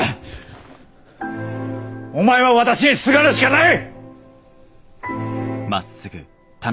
お前は私にすがるしかない！